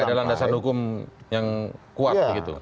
ada landasan hukum yang kuat begitu